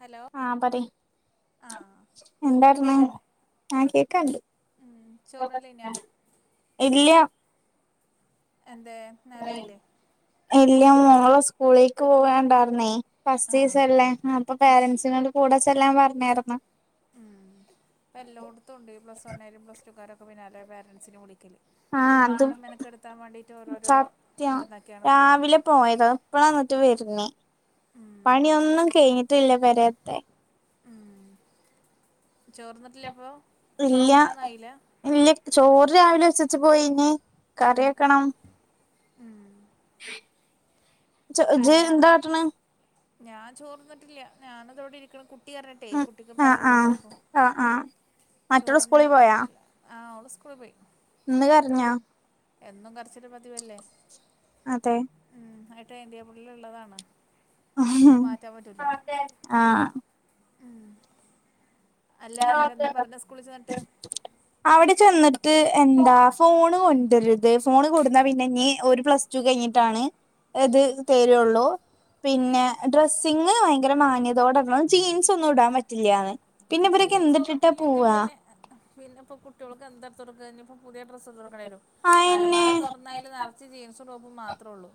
Hello ആഹ് പറയ് ആഹ് എന്തായിരുന്നു കേക്കല്ലേ ആഹ് കേക്കാണ്ട് ഉം ചോറിനല്ലയിനാ ഇല്ല എന്തെ നെറയില്ലേ ഇല്ല മോള് സ്കൂളിലേക്ക് പോവാന്ണ്ടായിരുന്നേ ആഹ് ഫസ്റ്റീസല്ലേ അപ്പൊ ആഹ് പോരൻ്റ്സിനോട് കൂടെ ചെല്ലാൻ പറഞ്ഞാരുന്നു ഉം ഇപ്പോ എല്ലോടത്തും ഉണ്ട് ഈ പ്ലസ്ണ്ണായാലും പ്ലസ് ടു കാരൊക്കെ പിന്നാലെ പേരൻ്റ്സിനെ വിളിക്കല് ആഹ് അത് ആളിനെ മെനക്കെടുത്താൻ വേണ്ടീട്ട് ഓരോരോ സത്യം ഇത്ണ്ടാക്കെയാണ് ഇപ്പ ഇവര് രാവിലെ പോയതാ ഇപ്പളാ ഇന്നിട്ട് വരുന്നേ ഉം പണിയൊന്നും കഴിഞ്ഞിട്ടില്ല പെരേത്തെ ചോർന്നിട്ടില്ല അപ്പൊ ചോറും ഇല്ല കൂട്ടാനായില്ല ഇല്ല ചോറ് രാവിലെ വെച്ചച്ച് പോയീന് കറി വെക്കണം ഉം ഇജ് അല്ല എന്താ കാട്ടണ് ഞാൻ ചോർന്നിട്ടില്ല ഞാനിതാ ഇവടെ ഇരിക്കണ് കുട്ട് ട്ടി പർഞ്ഞിട്ടെ ഉം കുട്ടിക്ക് ആഹ് പാൽ കൊടുക്കാ ആഹ് ഇപ്പൊ ആഹ് ആഹ് മറ്റുള്ള ചോറ്ന്നാൻ സ്കൂളിൽ പോയാ ആയിട്ടില്ല ആഹ് ഓള് സ്കൂള് പോയി ഇന്ന് കരഞ്ഞോ എന്നും കരച്ചില് പതിവല്ലേ അതെ ടൈം ടേബിളില് ഉള്ളതാണ് അത് മാറ്റാൻ പറ്റൂല ആഹ് ഉം അല്ല എന്നിട്ട് എന്താ പറഞ്ഞെ സ്കൂളി ചെന്നിട്ട് അവിടെ ചെന്നിട്ട് എന്താ ഫോണ് കൊണ്ടരുത് ഫോണ് കൊടുന്നാ പിന്നെ ഇനീ ഓര് പ്ലസ് റ്റൂ കഴിഞ്ഞിട്ടാണ് എത് തരുള്ളൂ പിന്നെ ഡ്രെസ്സിങ്ങ് ഭയങ്കര മാന്യതയോടെണം ജീൻസ് ഒന്നും ഇടാൻ പറ്റില്ലാന്ന് പിന്നെ ഇവരൊക്കെ എന്തിട്ടിട്ടാ ജീൻസൊന്നുട്ടില്ലെങ്കി പോവാ പിന്നെ പിന്നെ ഇപ്പൊ കുട്ടികൾക്ക് എന്താ എടുത്തു കൊട്ക്കാ ഇനിയിപ്പോ പുതിയ ഡ്രസ്സ് [unintelligible] കൊടുക്കണ്ടി വെരും അയന്നെ അലമാര തൊറന്ന ന്നാ അയില് നെറച്ച് ജീൻസും ടോപ്പ് മാത്രേ ഒള്ളൂ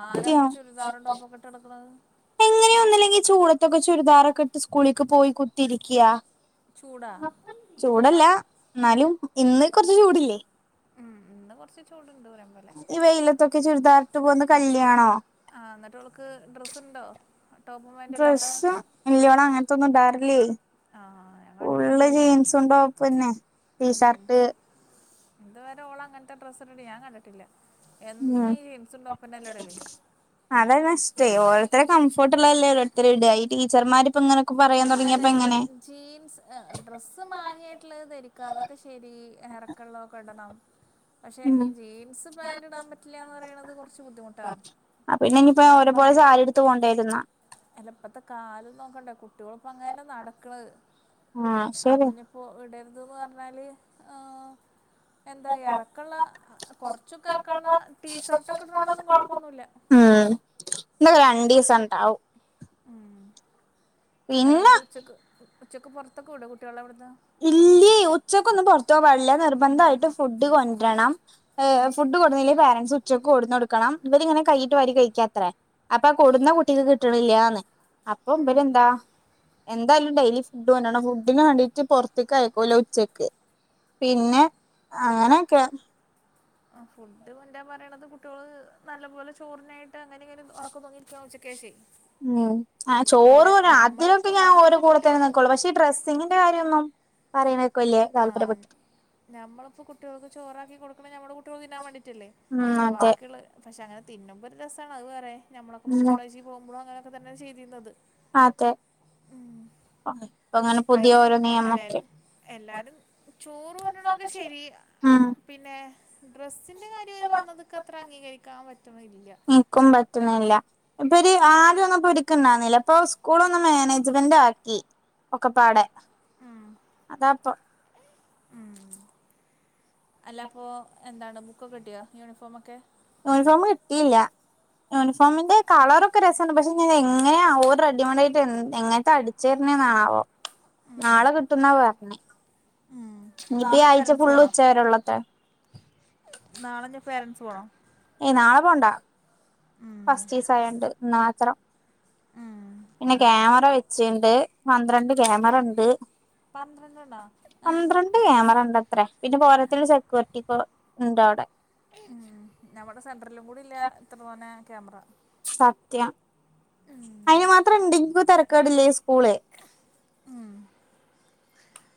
ആരപ്പാ ചുരിദാറും ടോപ്പൊക്കെ ഇട്ട് നടക്കുന്നത് എങ്ങനെയാ ഒന്നുല്ലെങ്കി ഈ ചൂടത്തൊക്കെ ചുരിദാറൊക്കെ ഇട്ട് സ്കൂളിക്ക് പോയി കുത്തിയിരിക്കയാ ചൂടാ ഇപ്പോൾ ചൂടാ ചൂടല്ല എന്നാലും ഇന്ന് കൊറച്ച് ചൂടില്ലേ ഉം ഉം ഇന്ന് കൊറച്ച് ചൂടുണ്ട് പറയും പോലെ ഈ വെയിലത്തൊക്കെ ചുരിദാറിട്ട് പോന്നെ കല്യാണോ ആഹ് എന്നിട്ട് ഓൾക്ക് ഡ്രസ്സുണ്ടോ ടോപ്പും പാൻറ്റും ഇല്ലാത്ത ഡ്രസ്സ് ഇല്ലാ ഓള് അങ്ങനത്തെ ഒന്നും ഇടാറില്ലേ ആഹ് ഫുള്ള് ജീൻസും ടോപ്പന്നെ ഉം. ടീഷർട്ട് ഇതുവരെ ഓള് അങ്ങനത്തെ ഡ്രസ്സ് ഇട്ടിട്ട് ഞാൻ കണ്ടിട്ടില്ല എന്നും ഉം ഈ ജീൻസ് ടോപ്പന്നെയല്ലേ ഇടല് അതാ കഷ്ട്ടേ ഓരോരുത്തരെ കംഫർട്ട് ഇള്ളതല്ലേ ഓരോരുത്തര് ഇടാ ഈ ടീച്ചർമാരിപ്പങ്ങനെ അല്ല ഞ് ജീൻസ് ഏഹ് ഡ്രസ്സ് മാന്യായിട്ട്ള്ളത് ധരിക്കാ അതൊക്കെ ശരി എറക്കെള്ളതൊക്കെ ഇടണം പക്ഷെ ഉം ഈ ജീൻസ് പാന്റ് ഇടാൻ പറ്റില്ലാന്ന് പറയണത് കൊറച്ച് ബുദ്ധിമുട്ടാണ് പിന്നെ ഇനിയിപ്പോ ഓരോ കാരണം പോലെ സാരി ഉടുത്ത് പോണ്ടിവെരും അല്ല ഇപ്പത്തെ കാലം നോക്കണ്ടേ കുട്യോളിപ്പോ അങ്ങനല്ലെ നടക്കണത് ആഹ് അപ്പ ശരി ഇനി ഇ ഇവിടരുതന്ന് പറഞ്ഞാല് ആഹ് എന്താ ഇറക്കുള്ള കുറച്ചൊക്കെ ഇറക്കുള്ള ടീഷർട്ടൊക്കെ ഇടണണൊന്നും കുഴപ്പമൊന്നുമില്ല ഉം ഇന്നീക്ക രണ്ടീസണ്ടാവും ഉം പിന്നെ ഏതങ്കിട്ട് ഉച്ചക്ക് ഉച്ചക്ക് പുറത്തൊക്കെ വിടുവോ കുട്ടികള എവിടന്ന് ഉച്ചക്ക് ഒന്ന് പുറത്ത് പോകാൻ പാടില്ല നിർബന്ധമായിട്ട് ഫുഡ് കൊണ്ടുവരണം ഫുഡ് കൊണ്ടന്നില്ലേ പാരൻറ്സ് ഉച്ചയ്ക്ക് കൊണ്ടന്ന് കൊടുക്കണം ഇവരി ഇങ്ങനെ കൈയിട്ട വാരി കഴിക്കാത്രേ അപ്പൊ കൊടുന്ന കുട്ടിക്ക് കിട്ടണില്ലന്ന് അപ്പൊ ഇ്പില ഉം എന്താ എന്തായാലും ഡെയിലി ഫുഡ് വേണം ഫുഡിനു വേണ്ടി പൊറത്തേക്ക് ആയക്കൂല്ല ഉച്ചക്ക് പിന്നെ അങ്ങനെയൊക്കെ ആഹ് ഫുഡ് കൊണ്ടുവരാൻ പറയണത് കുട്ടികള് നല്ല പോലെ ചോറിനായിട്ട് ഇപ്പം എങ്ങനെങ്ങനും ഉറക്കം തൂങ്ങിയിരിക്കും ഉച്ചക്ക് ശേഷേ ഉം, ആ ചോറ് അദ്യക്കെ ഞാൻ ഓര ഞമ്മളിപ്പോ കൂടെത്തേെ കുട്ടികൾക്ക് നിൽക്കുള്ളൂ പക്ഷേ ഡ്രസ്സിങ്ങിന്റെ കാര്യമൊന്നും പറയുന്നത് ഒക്കെ വലിയ താല്പര്യപ്പെട്ട നമ്മളിപ്പോ കുട്ടികൾക്ക് ചോറാക്കി കൊടുക്കണ നമ്മുടെ കുട്ടികൾക്ക് തിന്നാൻ വേണ്ടിയിട്ടല്ലേ ഉം അപ്പോ അതെ ബാക്കിയുള്ള പക്ഷെ അങ്ങനെ തിന്ന്മ്പോ ഒരു രസമാണ്, അത് വേറെ നമ്മളൊക്കെ ഇപ്പോ ഉം കോളേജിൽ പോകുമ്പോളും അങ്ങനെയൊക്കെ തന്നെ ചെയ്തിരുന്നത് ആതെ അങ്ങനെ കൈ പുതിയ ഓരോ അല്ല നിയമമൊക്കെ എല്ലാരും ചോറ് കൊണ്ട് വരണെങ്കി ശെരി ഉം പിന്നെ ഡ്രസ്സിൻ്റെ കാര്യം അവർ പറഞ്ഞതക്കെ അത്ര അംഗീകരിക്കാൻ പറ്റുന്നില്ല. നമുക്കും പറ്റുന്നില്ല, ഇപ്പൊര് ആരവന്നപ്പോ ഉക്ക്ണ്ടന്നില്ല അപ്പൊ സ്കൂള് ഒന്ന് മാനേജ്മെന്റ് ആക്കി ഒക്കെപ്പാടെ ഉം അതാപ്പോ ഉം, അല്ല അപ്പോൾ എന്താണ് ബുക്കൊക്കെ കിട്ടിയാ, യൂണിഫോമൊക്കെ. യൂണിഫോം കിട്ടിയില്ല യൂണിഫോമിന്റെ കളറൊക്കെ രസുണ്ട്, പക്ഷെ ഞാൻ എങ്ങനെ ഓ റെഡിമേട് ആയിട്ട് എങ്ങനെ ചേരിനെന്നാണാവോ നാളെ കിട്ടുന്ന പറഞ്ഞേ, ഉം ഇനിപ്പ നാളെ ഈ ഇന്റെ ആഴ്ച പേരൻറ്സ് ഫുള്ള് പോണോ ഉച്ചവരള്ളത്രേ നാളെ ഇനി പേരൻറ്സ് പോണോ ഏഹ് നാളെ പോവണ്ടാ ഉം ഫസ്റ്റ് ദിവസം ആയണ്ട് ഇന്ന് മാത്രം ഉം പിന്നെ ക്യാമറ വെച്ചുണ്ട്, പന്ത്രണ്ട് ക്യാമറ ഉണ്ട് പന്ത്രണ്ട് എണ്ണമോ [unintelligible] ക്യാമറ ഉണ്ട് അത്രേ പിന്നെ പോരത്തതിന്, സെക്യൂരിറ്റി ഇപ്പ ഉണ്ട് അവിടെ. ഉം, ഞമ്മടെ സെൻററിലും കൂടി ഇല്ല ഇത്ര തോന്നെ ക്യാമറ സത്യം അയിന് മാത്രം ഉണ്ടെങ്കിലും തെരക്കാടില്ല ഈ സ്കൂള്. ഉം,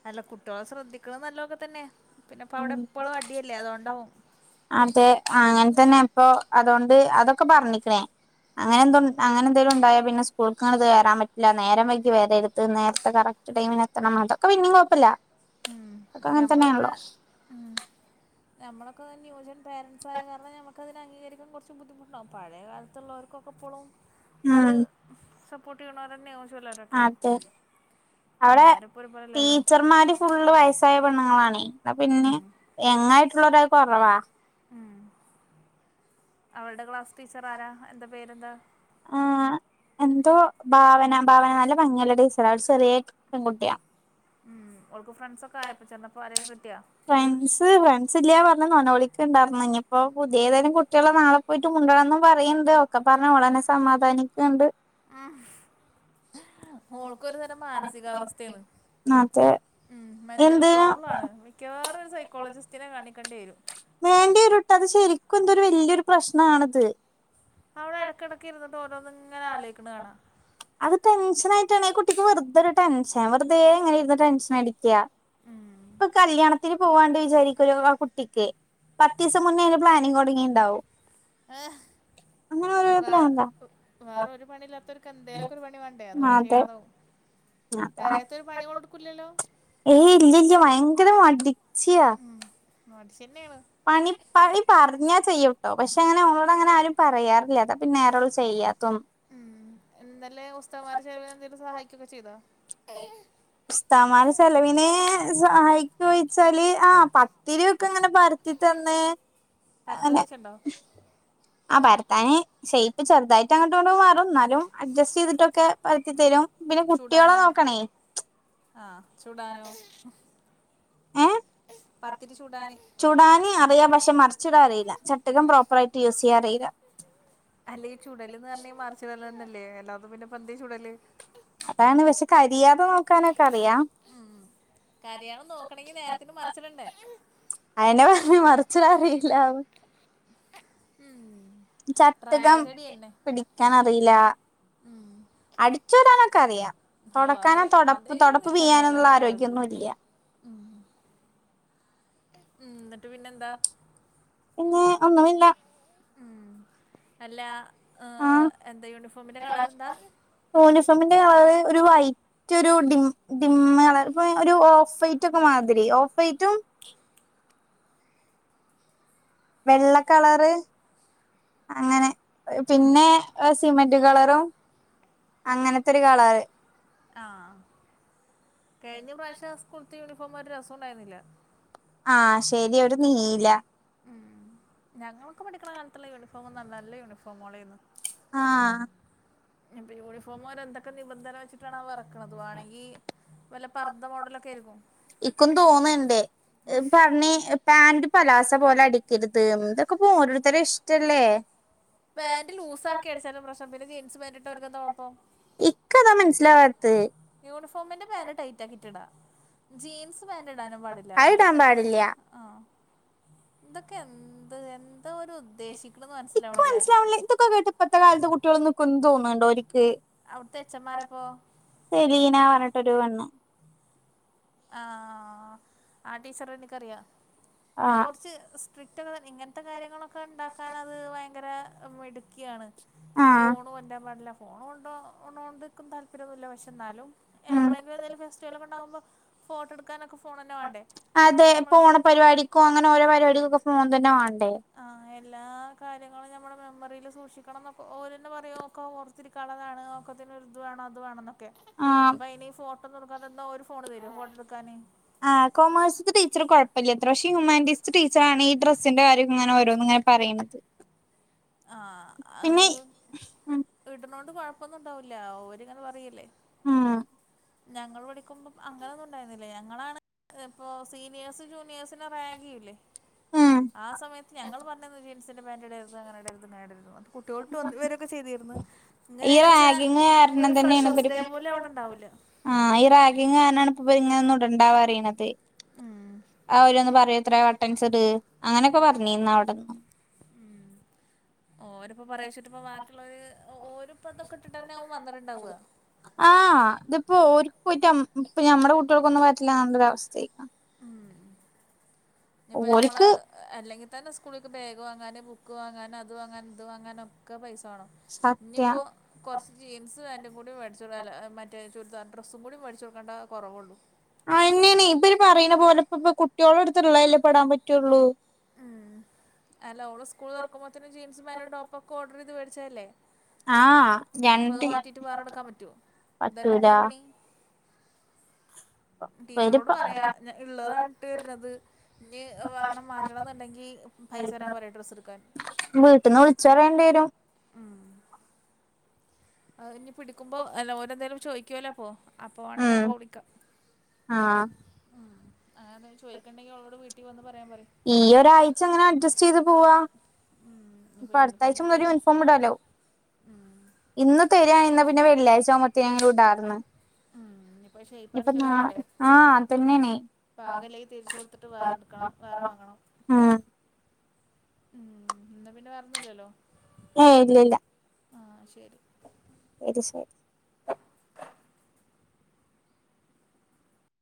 അല്ല കുട്ടികളെ ശ്രദ്ധിക്കണ നല്ലതോക്കെ തന്നെയാ. പിന്നെപ്പ അവിടെ എപ്പോഴും അടിയല്ലേ അതുകൊണ്ടാവും. അതെ അങ്ങനെ തന്നെ അപ്പൊ അതുകൊണ്ട് അതൊക്കെ പറഞ്ഞിക്കണേ. അങ്ങനെ എന്തങ്കിലും അങ്ങനെ എന്തേലും ഉണ്ടായോ പിന്നെ സ്കൂൾക്ക് അങ്ങനെ കേറാൻ പറ്റില്ല, നേരം വൈകി വരരുത്, നേരത്തെ കയറ ടൈമിനെത്തണം അതൊക്കെ പിന്നയും കുഴപ്പില്ല. ഉം നമ്മളൊക്കെ ഉം, നമ്മളൊക്കെ ന്യൂജൻ പേരൻസായ കാരണം ഒക്ക് അതിന അംഗീകരിക്കാൻ കുറച്ച് ബുദ്ധിമുട്ട് ഉണ്ടാകും, പഴയ കാലത്തുള്ളവർക്കൊക്കെ അപ്പൊളും അത്. ഉം സപ്പോർട്ട് ചെയ്യണവര് തന്നെ ആവും അതെ അവിടെ എല്ലാരും ഇപ്പോ ഒരുപോലല്ലല്ലോ ടീച്ചർമാരും ഫുള്ള് വയസ്സായ പെണ്ണുങ്ങളാണെ, പിന്നെ ഉം എങ്ങായിട്ടുള്ളവര് കുറവാ. ആം അവളടെ ക്ലാസ് ടീച്ചർ ആരാ? എന്താ പേരെന്താ? ആഹ് എന്തോ ഭാവന, ഭാവന നല്ല ഭംഗിയള ടീച്ചറാ, ഒരു ചെറിയ പെൺകുട്ടിയാ ഉം ഓൾക്ക് ഫ്രണ്ട്സ് ഒക്കെ ആയപ്പോ ചെന്നപ്പോ, ആരെങ്കിലും കിട്ടിയാ? ഫ്രണ്ട്സ്, ഫ്രണ്ട്സ് ഇല്ല പറഞ്ഞന്ന പറഞ്ഞെ, അവൾക്ക്ഉണ്ടായിരുന്നു ഇനിയിപ്പോൊ പുതിയ ഏതേലും കുട്ടികുള്ള നാളെ പോയിട്ട് മുണ്ടണന്നും പറയിണ്ട് ഒക്ക പറഞ്ഞ അവളന്നെ സമാധാനിക്ക്ണ്ട്. ആ മോൾക്കൊരു തരം മാനസികാവസ്ഥയാണ് അതെ ഉം മെന്റൽ എന്തിന് പ്രോബ്ലം ആണ് മിക്കവാറും ഒരു സൈക്കോളജിസ്റ്റിനെ കാണിക്കേണ്ടി വെരും. വേണ്ടി വരുട്ടാ അത് ശരിക്കും എന്തൊരു വൽയൊരു പ്രശ്നാണത്. അവള് എടക്കെടക്ക് ഇരിന്നിട്ട് ഓരോന്ന് ഇങ്ങനെ ആലോയിക്കണ കാണാ അത് ടെൻഷൻ ആയിട്ടാണെ ആ കുട്ടിക്ക് വെറുതെരു ടെൻഷൻ വെറുതേ ഇങ്ങനെ ഇരുന്ന് ടെൻഷൻ അടിക്കാ. ഇപ്പൊ കല്യാണത്തിന് പോവാണ്ട് വിചാരിക്കുലോ ആ കുട്ടിക്ക് പത്തീസം മുന്നേ അതിന് പ്ലാനിങ് തൊടങ്ങീണ്ടാവും. ഏഹ് ഓരോരോ അപ്പ പ്രാന്താ വേറ ഒരു പണില്ലാത്തോരു ക്ക എന്തേലൊക്കെ ഒരു പണി വേണ്ടേ അതുകൊണ്ട് അതെ ചെയ്യണതാവും പെരേലത്തെ ഒരു പണി അതാ അവൾ എടുക്കൂല്ലല്ലോ ഏയ് ഇല്ലില്ല ഭയങ്കര മടിച്ചിയാ മടിച്ചിയന്നെയാണ് പണി പണി പറഞ്ഞാ ചെയ്യൂട്ടോ പക്ഷേ അങ്ങനെ ഓളോട് അങ്ങനെ ആരും പറയാറില്ല അത് പിന്നേരോളു ചെയ്യാത്തും ഉം ഇന്നലെ ഉസ്താദ്മാര് ചൊവ്വേ എന്തേലും സഹായിക്കൊക്കെ ചെയ്തോ ഉസ്താദ്മാര് ചെലവിന് സഹായിക്കോന്ന് ചോയിച്ചാല് ആ പത്തിരി ഒക്കെ ഇങ്ങനെ പര ത്തി തന്ന് പരത്തുന്ന് അങ്ങനെ വെച്ചൊണ്ടോ ആ പരത്താന് ഷേപ്പ് ചെറുതായിട്ട് അങ്ങട്ട് ഇങ്ങോട്ടും മാറും എന്നാലും അഡ്ജസ്റ്റ് ചെയ്തിട്ടൊക്കെ പരത്തിത്തെരും ചുടാനോ ആ ചുടാനോ ഏ പത്തിരി ചുടാന് ചുടാന് അറിയാം പക്ഷേ മറിച്ചിടാൻ അറിയില്ല ചട്ടുകം പ്രോപ്പർ ആയിട്ട് യൂസയ്യാൻ അറിയില്ല അല്ല ഈ ചുടലന്ന് പറഞ്ഞാ ഈ മറിച്ച് ഇടല് തന്നല്ലേ അല്ലാതെ പിന്നെ ഇപ്പൊ എന്തേ ചുടല് അതാണ് പക്ഷെ കരിയാതെ നോക്കാനൊക്കെ അറിയാം ഉം കരിയാതെ നോക്കണങ്കി നേരത്തിന് മറിച്ചിടണ്ടേ അയിന പറഞ്ഞെ മറിച്ചിടാൻ അറിയില്ലാന്ന് ഉം ചട്ടുകം പിടിക്കാനറിയില്ല ഉം അറിയാം ഹാവു തൊടക്കാനോ അതെല് തൊടപ്പ് അതേന്ന് തൊടപ്പ് മെച്ചവുണ്ടല്ലോ പിയ്യാനൊന്നുള്ള അന്റെ മകൾക്ക് ആരോഗ്യൊന്നും ഇല്ല ഉം എന്നിട്ട് പിന്നെന്താ പിന്നെ ഒന്നുമില്ല ഉം അല്ലാ ഹ് ആഹ് എന്താ യൂണിഫോമിന്റെ കളർ എന്താ യൂണിഫോമിന്റെ കളറ് ഒരു വൈറ്റൊരു ഡിം ഡിമ്മ് കളറ് ഒരു ഓഫ് വൈറ്റ് ഒക്ക മാതിരി ഓഫ് വൈറ്റും വെള്ള കളറ് അങ്ങനെ പിന്നെ സിമന്റ് കളറും അങ്ങനത്തൊരു കളറ് ആ കഴിഞ്ഞ പ്രാവശ്യം സ്കൂൾത്തെ യൂണിഫോം ഒരു രസം ഉണ്ടായിരുന്നില്ല ആ ശെരി ഒരു നീല ഉം ഞങ്ങളൊക്ക പഠിക്കണ കാലത്തുള്ള യൂണിഫോമെന്ന് പറഞ്ഞാൽ നല്ല യൂണിഫോമോഡായിരുന്ന് ആ ഇനിപ്പൊ യൂണിഫോം അവര് എന്തൊക്കെ നിബന്ധന വെച്ചിട്ടാണാവോ എറക്കണത് വേണങ്കി വല്ല പർദ മോഡലൊക്കായിരിക്കും ഇക്കും തോന്നേണ്ട് പർഞ്ഞ് പാന്റ് പലാസ പോലെ അടിക്കരുത് എതൊക്കെപ്പോ ഓരോരുത്തരുടെ ഇഷ്ടല്ലേ പാന്റ് ലൂസ് ആക്കിയടിച്ചാലും പ്രശ്നം പിന്നെ ജീൻസ് പാന്റ് ഇട്ടാ അവർക്കെന്താ കൊഴപ്പം ഇക്ക് അതാ മനസ്സിലാവാത്തെ യൂണിഫോമിന്റെ പാന്റ് ടൈറ്റ് ആക്കിട്ടിടാ ജീൻസ് പാന്റ് ഇടാനും പാടില്ല അത് ഇടാൻ ഇതൊക്ക പാടില്ല ആ ഇതൊക്കെ എന്ത് എന്താ അവര് ഉദ്ദേശിക്കണന്ന് മനസ്സിലാവണില്ല അല്ല ഇതൊക്കെ കേട്ട് ഇപ്പഴത്തെ കാലത്തെ കുട്ടികളൊന്നും നിക്കുവൊന്ന് തോന്നുന്നുണ്ടോ ഓരിക്ക് അവിടുത്തെ എച്ചം ആരാപ്പൊ സെലീന പറഞ്ഞിട്ടൊരു പെണ്ണ് ആഹ് ആഹ് ആ ടീച്ചറെ എനിക്കറിയാം അത് ആഹ് കൊറച്ച് സി സ്ട്രിക്റ്റ് ഇങ്ങനത്തെ കാര്യങ്ങളൊക്കെ ഉണ്ടാക്കാൻ അത് ഭയങ്കര മിടുക്കിയാണ് ഈ ആഹ് ഫോണ് കൊണ്ടുവരാൻ പാടില്ല ഫോണ് കൊണ്ട് പോണോണ്ടെക്കും താല്പര്യം ഒന്നുമില്ല പക്ഷെ എന്നാലും ഉം എപ്പളെങ്കിലും എന്തേലും ഫെസ്റ്റിവലൊക്കെ ഉണ്ടാകുമ്പോ ഫോട്ടോ എടുക്കാനൊക്കെ ഫോണന്നെ വേണ്ടേ നമ്മളിപ്പോ എപ്പളും ക്കോ അങ്ങനെ ഓരൊ പരിപാടിക്കൊക്കെ ഫോൺ തന്നെ വാണ്ടേ ആഹ് എല്ലാ കാര്യങ്ങളും ഞമ്മടെ മെമ്മറില് സൂക്ഷിക്കണം ന്നൊക്കെ ഓരന്നെ പറയും ഓക്കാ ച്ചിരി കളറാണ് ഒക്കത്തിനും ഒരിത് വേണ അത് വേണന്ന് ക്കെ ആഹ് അപ്പ ഇനി ഫോട്ടോന്ന് എടുക്കാതെ നിന്ന ഓര് ഫോണ് തരുവോ ഫോട്ടോടുക്കാന് ആഹ് കൊമേഴ്സ്ത്തെ ടീച്ചറ് കൊഴപ്പല്ല്യത്ര പക്ഷെ ഹ്യൂമാനിറ്റീസ്ത്തെ ടീച്ചറാണേ ഈ ഡ്രസ്സിന്റെ കാര്യം ഇങ്ങനോരോന്നിങ്ങനെ പറയണത് ആഹ് പിന്നെ അത് ഇടുന്നോണ്ട് കൊഴപ്പൊന്നുണ്ടാവൂല്ല്യ ഓരിങ്ങനെ പറയല്ലേ ഉം ഞങ്ങള് പഠിക്കുമ്പം അങ്ങനൊന്നും ഉണ്ടായിരുന്നില്ല ഞങ്ങളാണ് ഇപ്പൊ സീനിയേഴ്സ് ജൂനിയേഴ്സിനെ റാഗ് ചെയ്യില്ലേ ഉം ആഹ് സമയത്ത് ഞങ്ങള് പറഞ്ഞത് ജീൻസിന്റെ പാന്റിടരുത് അങ്ങനിടരത് ഇങ്ങനിടരുതെന്ന് പറ കുട്ടികളിട്ടോണ്ടു വരൊക്കെ ചെയ്തിരുന്നു ഈ ഇങ്ങനെയാണെച്ചാ റാഗിങ് കാരണം ഒരു തന്നെയാണ് ഫ്രഷേസ് ഇവര് ഡേ പോലും അവിടൊണ്ടാവൂല്ല ആഹ് ഈ റാഗിംഗ് കാരണാണ് ഇപ്പൊ ഇവരിങ്ങനൊന്നും ഇടണ്ടാന്ന് പറയണത് അവര്ന്ന് പറയൂത്രേ ബട്ടൻസിട് അങ്ങനൊക്കെ പറഞ്ഞീരുന്നവിടെ ഉം ഓരിപ്പ പറയെച്ചിട്ടിപ്പൊ ബാക്കിയൊള്ളോര് ഓരിപ്പ തൊക്കെ ഇട്ടിട്ട് തന്നെയാവും വന്നിട്ടുണ്ടാവുക ആഹ് ഇതിപ്പോ ഓർക്ക്പോയിട്ട് ഞം ഇപ്പ ഞമ്മടെ കുട്ടികൾക്കൊന്നും പറ്റില്ലാന്നുള്ളൊരവസ്ഥയയ്ക്ക് ഉം ഇനി ഇപ്പൊ ഞമ്മള് ഓര്ക്ക് അല്ലെങ്കി തന്നെ സ്കൂളിലെക്ക് ബാഗ് വാങ്ങാന് ബുക്ക് വാങ്ങാന് അത് വാങ്ങാന് ഇത് വാങ്ങാന് ഒക്കെ പൈസ വേണം സത്യം ഇനിപ്പോ കൊറച്ച് ജീൻസ് പാൻറും കൂടി മേടിച്ചൊടുക്ക അല്ല മറ്റേ ചുരിദാർ ഡ്രസ്സും കൂടി മേടിച്ച് കൊടുക്കേണ്ട കൊറവേള്ളൂ അയിന്നെയാണ് ഇപ്പ ഇവര് പറയണ പോലെ ഇപ്പൊപോ കുട്ട്യോൾടടുത്തുള്ളല്ലേ ഇപ്പൊ ഇടാൻപറ്റുള്ളൂ ആഹ് അല്ല ഓള് സ്കൂള് തൊറക്കുമ്പൊത്തേനും ജീൻസും പാന്റും ടോപ്പുക്കെ ഓർഡറ് ചെയ്ത് മേടിച്ചല്ലേ ആഹ് ഇനിപ്പ ഇത് രണ്ട് മാറ്റിയിട്ട് വേറെടുക്കാൻ പറ്റുവോ പറ്റൂല ഇതന്നപ്പൊ ഒരു പണി ടീച്ചറോട് ഇവരിപ്പ പറയാ ഞ ഉള്ളതാണിട്ടീർന്നത് ഇനി വേണം മാ റ്റണന്നുണ്ടെങ്കി പൈസ തരാൻ പറ ഡ്രസ്സെടുക്കാൻ വീട്ടീന്ന് വിളിച്ചറയേണ്ടി വരും ഉം അതിനി പിടിക്കുമ്പൊ അല്ല ഓരന്തേലും ചോദിക്കുവല്ലോ അപ്പോ അപ്പൊവാണെ ഉം അപ്പൊ വിളിക്കാം ആഹ് ഉം അങ്ങനെ ചോയിക്കണ്ടെങ്കി അവളോട് വീട്ടി വന്ന് പറയാൻ പറയ് ഈ ഒരാഴ്ച ഇങ്ങനഡ്ജസ്റ്റ് ചെയ്ത് പോവാം ഉം, ഇനിയിപ്പോ ഇപ്പൊ യൂണിഫോം അടുത്തായ്ച്ച മൊതല് കിട്ടിയാലും യൂണിഫോം ഇടാല്ലോ ഉം, ഇന്ന് തരിയാരുന്നെ പിന്നെ വെള്ളിയാഴ്ച ആകുമ്പോത്തേനും ഇടാർന്നു ഉം, ഇനിയിപ്പോ ഷേപ്പ് ഇപ്പൊ നാ ആക്കിയിട്ടൊക്കെ വേണ്ടേ ആഹ് അതന്നെയാണേ തിരിച്ചൊടുത്തിട്ട് വേറെ എടുക്കണം വേറെ വാങ്ങണം ആഹ് ഉം എന്നാ പിന്നെ വേറൊന്നുല്ലല്ലോ ഏഹ് ഇല്ലില്ല ആഹ് ശെരി ശെരി ശെരി